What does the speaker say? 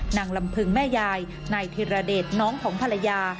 นางลำพึงแม่ยายนายธิรเดชน้องของภรรยา